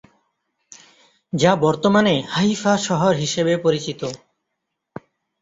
যা বর্তমানে হাইফা শহর হিসেবে পরিচিত।